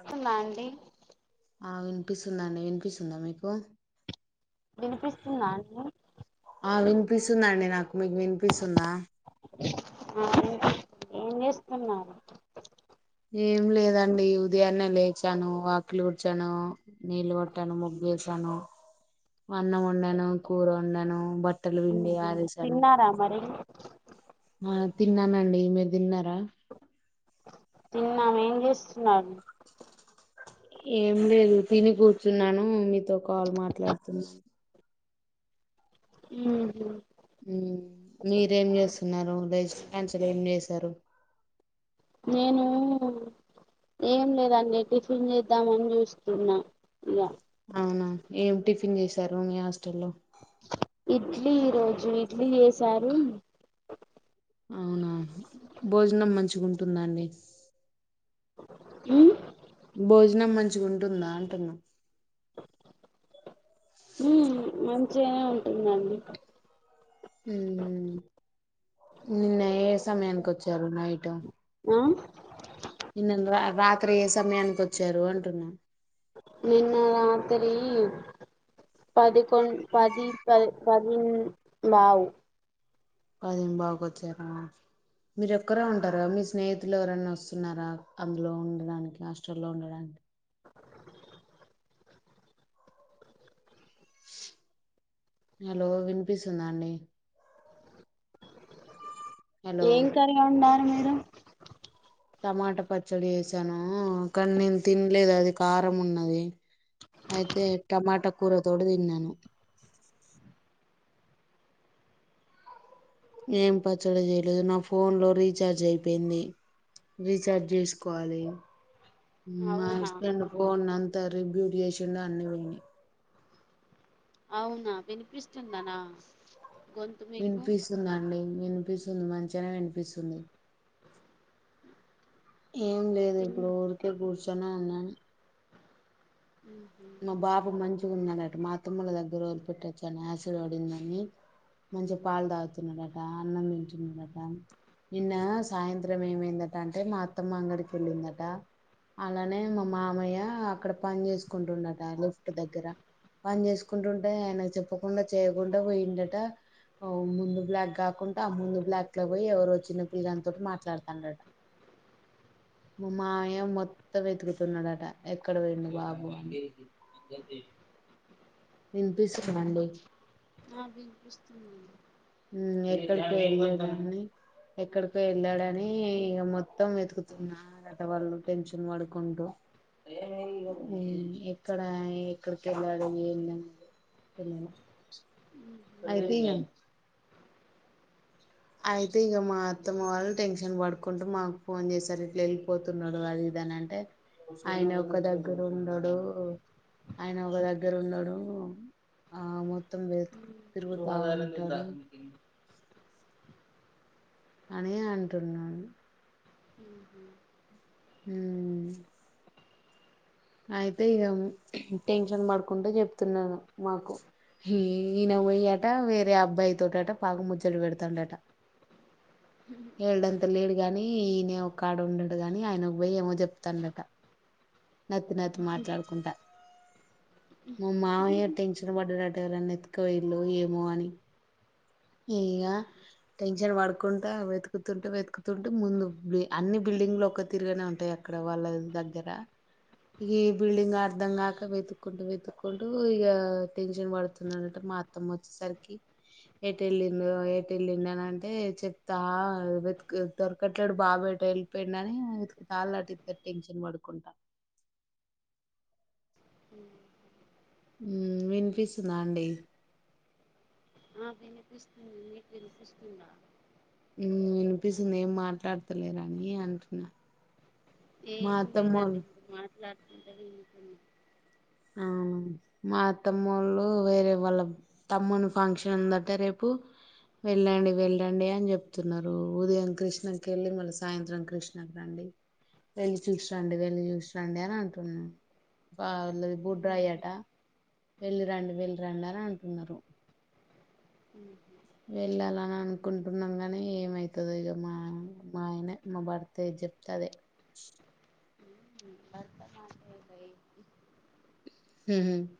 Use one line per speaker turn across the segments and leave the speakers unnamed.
స్తుందా అండి
వినిపిస్తుంది అండి వినిపిస్తుందా మీకు
వినిపిస్తుందా అండి
స్తుంది అండి నాకు మీకు వినిపిస్తూ
ఆ ఏం చేస్తున్నారు
ఏం లేదండి ఉదయాన్నే లేచాను వాకిలి ఊడిచాను నీళ్ళు కొట్టాను ముగ్గు వేసా అన్నం వండాను కూర వండాను బట్టలు పిండి ఆరేసాను
తిన్నారా మరి
ఆ తిన్నానండి మీరు తిన్నారా
తిన్నాం ఏం చేస్తున్నారూ
ఏం లేదు తిని కూర్చున్నాను మీతో కాల్ మాట్లాడుతున్న
ఉహు
మీరేం చేస్తున్నారు లేచిన కాంచలి ఏం చేశారు
నేను ఏం లేదండి టిఫిన్ చేద్దామని చూస్తున్నా ఇగా
అవునా ఏం టిఫిన్ చేసారు మీ హాస్టల్లో
ఇడ్లీ ఈరోజు ఇడ్లీ చేసారు
అవునా భోజనం మంచిగా ఉంటుందాండి
మ్మ్
భోజనం మంచిగా ఉంటుందా అంటున్నా
మ్మ్ మంచిగానే ఉంటుందండి
హ్మ్ నిన్న ఏ సమయానికి వచ్చారు నైట్
ఓ
నిన్నను రా రాత్రి ఏ సమయానికి వచ్చారు అంటున్నా
నిన్న రాత్రి పదికొండ్ పది పది పది లావు
పదిం బావు కి వచ్చార మీరు ఒక్కరే ఉంటారా మీ స్నేహితులు ఎవరన్న వస్తున్నారా అందులో ఉండడానికి హస్టల్లో ఉండడానికి హలో వినిపిస్తుందా అండి హలో
ఏం కర్రీ వండారు మీరు
టమాటా పచ్చడి చేసాను కానీ నేను తినలేదు అది కారం ఉన్నది అయితే టమాటా కూర తోటి తిన్నాను ఏం పచ్చడి చేయలేదు నా ఫోన్ లో రీచార్జ్ అయిపోయింది రీచార్జ్ చేసుకోవాలి మా
అవునా
హస్బెండ్ పోన్ అంత రీబ్యూట్ చేసిండు అన్ని పోయినాయి
అవునా వినిపిస్తుంద నా
వినిపిస్తుందండి వినిపిస్తుంది మంచిగానే వినిపిస్తుంది ఏం లేదు
తిన్
ఇప్పుడు ఊరికే కూర్చొని ఉన్నాను మా బాబు మంచిగా ఉన్నాడట మా అత్తమ్మ దగ్గర వదిలిపెట్టివచ్చ యాసిడ్ పడిందని మంచిగా పాలు తాగుతున్నడట అన్నం తింటున్నాడట నిన్న సాయంత్రం ఏమైందట అంటే మా అత్తమ్మ అంగడికి వెళ్ళిందట అలానే మా మామయ్య అక్కడ పని చేసుకుంటున్నడటా లిఫ్ట్ దగ్గర పని చేసుకుంటు ఉంటే ఆయనకు చెప్పకుండా చేయకుండా పోయిండంటా ముందు బ్లాక్ కాకుండా ఆ ముందు బ్లాక్ లోకి పోయి ఎవరో చిన్న పిల్లోనితోటి మాట్లాడుతాండంటా మా మామయ్య మొత్తం వెతుకుతున్నాడట ఎక్కడ పోయిండు బాబు అని వినిపిస్తుందాండి
ఆ వినిపిస్తుంది అండి
ఆ ఎక్కడికి వెళ్ళలేద అండి ఎక్కడికి వెళ్ళాడని ఇక మొత్తం వెతుకుతున్నారట వాళ్ళు టెన్షన్ పడుకుంటూ ఎక్కడ ఎక్కడికి వెళ్ళాడు ఏంది అని అయితే అయితే ఇక మా అత్తమ్మ వాళ్ళు టెన్షన్ పడుకుంటూ మాకు ఫోన్ చేసారు ఇట్లా వెళ్ళిపోతున్నాడు అది అంటే ఆయన ఒక్క దగ్గర ఉండడు ఆయన ఒక దగ్గర ఉన్నాడు ఆ మొత్త వెతుకు
ఉమ్,
తిరుగుతా ఉంటాడు అని అంటున్నాను
ఉహు
అవున అయితే ఇక టెన్షన్ పడుకుంటా చెప్తున్నాను మాకు పోయ్యాట వేరే అబ్బాయి తోటి అంటా బాగ ముచ్చట్లు పెడతాండంటా వేలిడంతా లేడు గాని ఈయనే ఒక్కడ ఉన్నాడు గాని ఆయనకి పోయి ఏమో చెప్తాండంటా నత్తి నత్తి మాట్లాడుకుంటా మా మామయ్య టెన్షన్ పడ్డాడంటా ఎవళ్ళు ఎత్తుకొని పొయిళ్ళో ఏమో అని ఇంగా టెన్షన్ పడుకుంటా వెతుకుతుంటే వెతుకుతుంటే ముందు అన్ని బిల్డింగ్లు ఒక్క తిరుగానే ఉంటాయ ఎక్కడ వాళ్ళ దగ్గర ఇ బిల్డింగ్ అర్ధం కాక వెతుక్కుంటూ వెతుక్కుంటూ ఇక టెన్షన్ పడుతుందనంట మాత్తం వచ్చేసరికి ఏటి వెళ్ళిం ఏటి వెళ్లిిండు అని అంటే చెప్తా వె దొరకట్లేడు బాగాబెట్ట వెళ్ిపోయిని తళ్ళటిద్ద టెన్షన్ పడుకుంటా
అ
విన్పిీస్న్నాడి
ఆ వినిపిస్తుంది నీకు వినిపిస్తుందా
వినిపిస్తుంది ఏం మాట్లాడతలేరుని అంటున్నా మా
ఏం
అత్తమ్మోళ్ళు
లేదండి మీరు మాట్లాడుతుంటది ఏంట
ఆ మా అ తమ్ము వాళ్ళు వేరే వాళ్ళ తమ్ముని ఫంక్షన్ ఉందంటే రేపు వెళ్ళండి వెళ్ళండి అని చెప్తున్నారు ఉదయం కృష్ణకి వెళ్ళి మళ్ళీ సాయంత్రం కృష్ణకి రండి వెళ్లిి చూసిరండి వెళ్లిి చూసిరండి అని అంటున్నానుళ బుడ్రా
ఉమ్,
అయట వెళ్ళి రండు వెళ్ళి రంలని అంటున్నారు వెళ్ళాల అని అనుకుంటున్నాం గాని ఏమైతుంది ఇక మా మా ఆయన మా బర్త్తేే చెప్తదే
భర్త మాట్లాడయి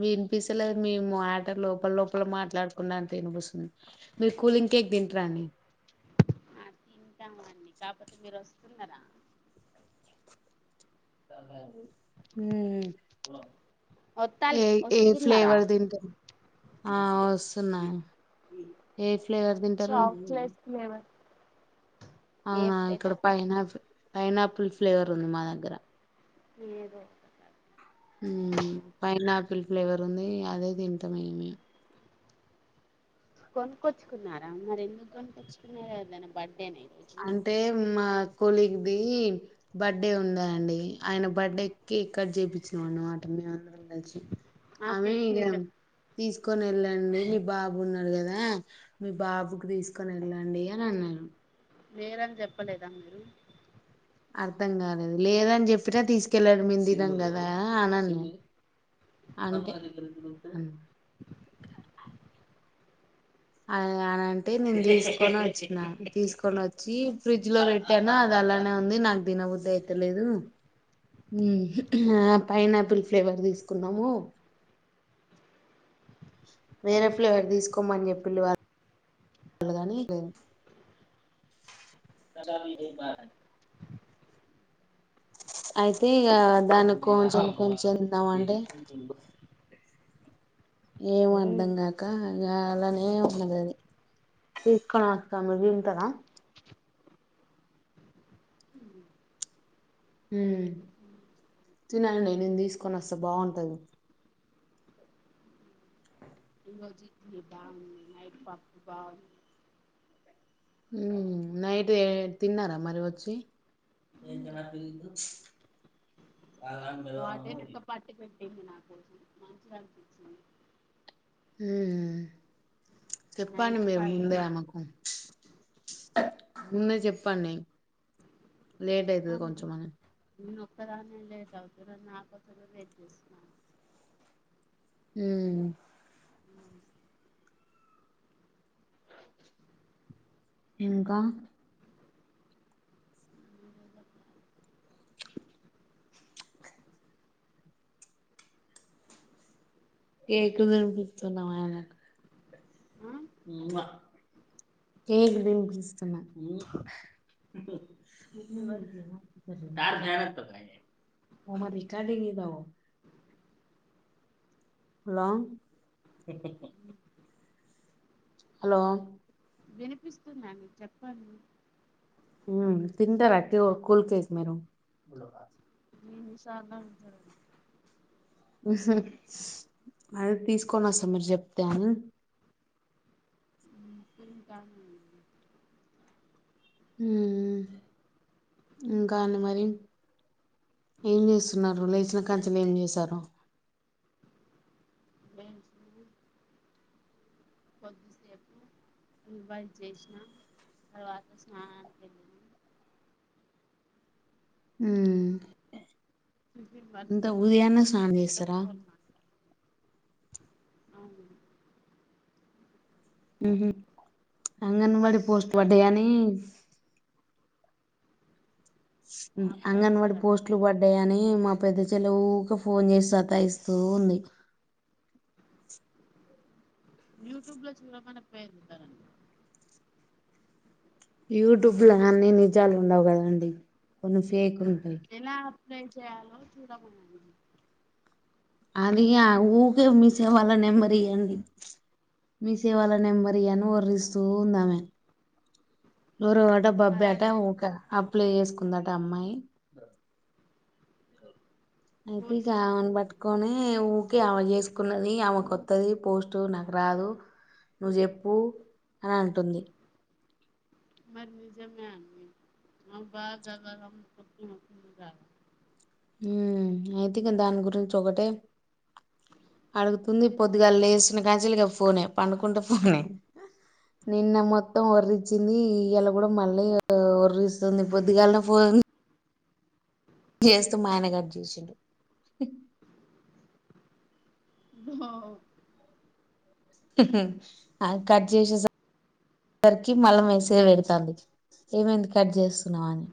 వినిపిసేలే మేము ఆట లోపల లోపల మాట్లాడుకున్నాడా అని తినిపిస్తుంది మీరు కూలింక కేక్ తింటరాని
తింటాము అన్నీ కాకపోతే మీరు వస్తున్నారా
హ
వత్తాల్
ఏ ఏ
వస్తున్నారా
ఫ్లేవర్ దని క ఆ వస్తున్నా ఏ ఫ్లేవర్ తింటారు
చాక్లెట్ ఫ్లేవర్ ఏ
అవునా ఇక్కడ
ఫ్లేవర్
పైనా పైనాపిల్ ఫ్లేవర్ ఉంది మా దగ్గర
ఏదో
పైనా ఆపిల్ ఫ్లేవర్ ఉంది అదేదింతమమే
కొనుక్కొచ్చుకున్నారా మరి ఎందుకు కొనిక్కొచ్చుకున్నారు కదనా బడ్
అంటే మా స్కూల్కిదిి బర్త్డే ఉందండి ఆయన బర్త్డే కేక్ కట్ చేయిించినం అన్నమాట అందర ఉంండచ్చి
ఆ పదా
తీసుకొని వెళ్ళండి మీ బాబు ఉన్నారుడు కదా మీ బాబుకి తీసుకొని వెళ్ళండి అని అన్నాను
వేరని చెప్పలేదా మీరు
అర్థం కాలేదు లేదని చెప్పినా తీసుకెళ్లడం మీ తినం కదా అననుే అ అ అనంటే నేను తీసుకొని వచ్చిన తీసుకొని వచ్చి ఫ్రిడ్జ్ లో ర పెట్టాను అది అలానే ఉంది నాకు దీినబుద్ధి అయితేలేదు పైనా ఆపిల్ ఫ్లేవర్ తీసుకున్నాము వేరే ఫ్లు ఎవరు తీసుకోమని చెప్పిళ వాళళని కస బ అయితే ఇక దానికి కొంచెం కొంచందాం అంటే ఏం అర్ధం కాక ఇ అలానే ఉన్నది అది తీసుకణస్తా మీ వింటార తినాల నే నేను తీసుకొని వస్తా బాగుంటది
ఇజీట్ద్దా నైట్ పకు బ
నైట్ తిన్నారా మరి వచ్చి
వాటే నెక్క పట్టి పెట్టింది నా కోసం మంచిగా అనిపించింది
హ చెప్పా ను
నైట్
ఎ ముంద
పదిన్నర
అమకు ముందే చెప్పండి లేట్ అయితుంది కొంచంమని
క్కనే లేద అవుతు నాకస వెయిట్ చేస్తున్నాను
ఉమ్ ఇంకా కేకు దిన్పిత్తుండు మా ఆయన నాకు
ఆ ! ! ! ! ! ! ! ! ! !
కేకు దిన్పిస్తున్నా
ఎవరికి
సర ద భ రికార్డింగ్ద హలో హలో
వినిపిస్తుందా అండి? చెప్పండి
ఉమ్ తింటరా క్యూ కూల్ కేేక్ మీరు?
మీ [unintelligible]
అదె తీసుకొనొస్తా మీరు చెప్తే అని
[unintelligible]
ఉమ్ ఉమ్ ఇంకా అండి మరి? ఏం జేస్తున్నారు, లేచిన కాంచెలి ఏం జేశారు?
ఏం చేయలేద్ కొద్దిసేపు రివైజ్జేసినా తర్వాత స్నానానికెళ్లిన
ఉమ్
టిఫిన్
ఇంత
పట్టుకున్న
ఊదయాన్నే స్నానం
మీతో
జేస్తరా
ఫోన్ మాట్లాడిన అవును
ఉమ్ హ్ ఆంగన్బడి
వాళ్ళకి
పోస్ట్ లు
రాదు
బడ్డాయనీ ఉమ్
అప్లై
అంగన్బడి
చేశారండి
పోస్టులు పడ్డయని మా పెద్ద చెల్లె ఊకె ఫోన్ జేసి సతాఇస్తూ ఉంది.
యూట్యూబ్ ల చూడమనక్పోఇర్రు ఉంటరని
యూట్యూబ్ ల అన్ని నిజాలు ఉండవు కదాండి కొన్ని ఫేక్ ఉంటయి
ఎలా అప్లై చేయాలో చూడమనండి
అదిగా ఊకే మీ సేవాళ్ళ నెంబరీయండి మీ సేవాల నెంబరి అని ఒర్రిస్తూ ఉందామే ఎవరో అట
అలా
బబ్బాట
చే
ఊకె అబ్ ప్లే చేసుకుందట అమ్మాయి అయితే
ఫోన్ చేసింది
ఇగామని పట్టుకొని ఊకే ఆమద్ జేసు కున్నది ఆమెకొత్తది పోస్ట్ నాకు రాదు నువ్ జెప్పు అనంటుంది
మరి నిజమే అండి ఆమె బాద [unintelligible]
ఉమ్ అయితే ఇగ దాని గురించొకటే అడుగుతుంది పొద్దుగాల్లేసిన కాంచెలిగా ఫోనే, పండుకుంటే ఫోనే నిన్న మొత్తం ఒర్రచ్చింది ఇయాల గూడ మళ్ళీ ఒర్ ఒర్రిస్తుంది పొద్దుగాల్నే ఫోన్ జేస్తే మాయన గట్ జేసిండు
ఓహ్
అ కట్ జేసేసర్ సరికి మల్ల మెసేజ్ పెడతాంది ఏమైంది కట్ జేస్తున్నావని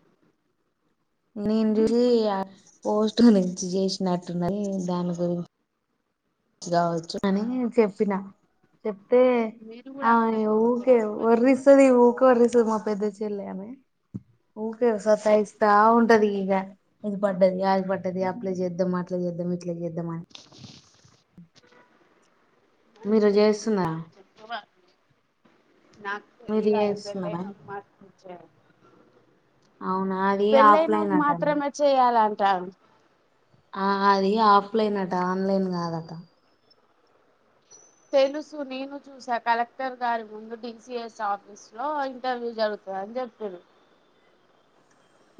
నేను జూసి ఆ పోస్ట్ నుంచి చేసినట్టున్నయి దాని గురిం గావచ్చు అని చెప్పిన చెప్ తే
మీరు కూడా
ఆ
అప్లై
ఇగ ఊకే
చేసుకోరాండి మరి
ఒర్రిస్తది ఇగ్ ఊకె ఒర్రిస్తది మప్ పెద్ద చెల్లె ఆమె ఊకే సతాఇస్తా ఉంటది ఇగ, ఇదిబడ్డది అది బడ్డది అప్లై చేద్దాం అట్ల చేద్దాం నువ్విట్లే జేద్దమా మీరు
మంచిదే
చేస్తున్న
చెప్పవా నాకు పెళ్లి అవసరంలే
అవునా అది ఆఫ్లైన్
పెళ్ళైనోళ్
అట అండి
మాత్రమే చెయ్యాలంట
ఆ అది ఆఫ్లైన్ అట ఆన్లైన్ గాదట
తెలుసు నేను చూసా కలెక్టర్ గారి ముందు డి సి ఎస్ ఆఫీస్ లో ఇంటర్వ్యూ జరుగుతు అని జప్పిరు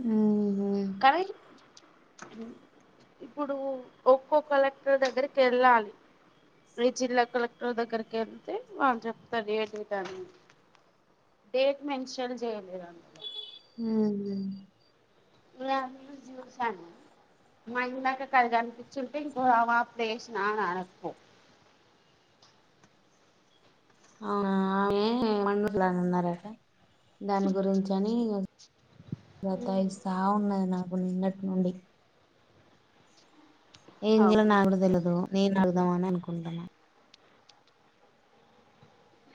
మ్మ్
కని ఇప్పుడు ఒక్కో కలెక్టర్ దగ్గరికెళ్ళాలి మీ జిల్లా కలెక్టర్ దగ్గరికి ఎళ్తే వాళ్ళు జెప్తారు ఏడేటా అనేది డేట్ మెన్షన్ జెయలేదందులో
హ్మ్
న్యూస్ జూసాను మా ఇందాక కది గనిపించుంటే ఇంకో వాప్లు ఏసినా అనకు
ఆ ఆమి వందుర్లహందరట దాని గురించని గత్తాయిస్తావున్నది నాకు నిన్నటి నుండి ఏంజైలో
అవును
నాకు గుడ తెల్వదు నేను అడుగుదాం అననుకుంటన్నా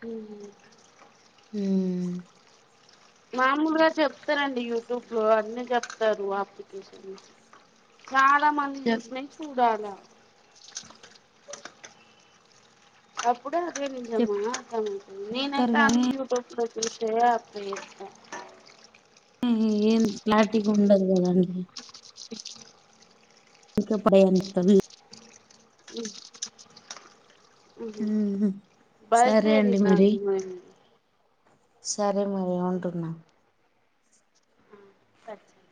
ఊహు
మ్మ్
మాములుగా చెప్తరండి యూట్యూబ్ లో అన్ని చెప్తారు అప్లికేషన్ చాలా మంది
చెప్
చూసినయి చూడాల అప్పుడే అదే నిజమా అర్థం అవుతుంది
చెప్తారు
నేనైతే
కానీ
అన్ని యూట్యూబ్ లో ఇషయ
ఏం క్లారిటీ గుండదు గదండి ఇంకెప్పుడు ఏందిత్తది
ఉ ఊహు
సరే
బైడ్వేరి
అండి మరి సరే మరి ఉంటున్నా
ఆ కట్ చెయ్